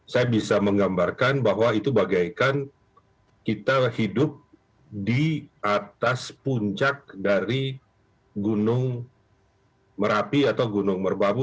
saya bisa menggambarkan bahwa itu bagaikan kita hidup di atas puncak dari gunung merapi atau gunung merbabu